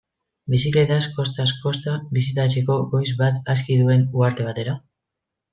Bizikletaz kostaz-kosta bisitatzeko goiz bat aski duen uharte batera?